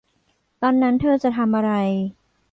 ตอนนั้นเธอจะทำอะไร